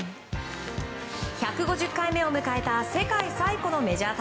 １５０回目を迎えた世界最古の大会